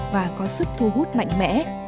và có sức thu hút mạnh mẽ